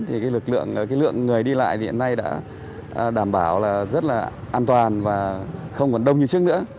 thì lực lượng người đi lại hiện nay đã đảm bảo là rất là an toàn và không còn đông như trước nữa